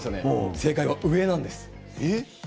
正解は上なんです。